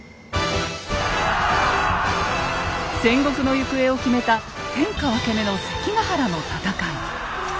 戦国の行方を決めた天下分け目の関ヶ原の戦い。